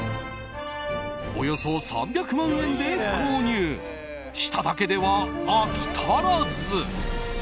およそ３００万円で購入しただけでは飽き足らず。